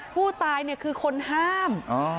ผู้ตายเนี่ยคือคนห้าม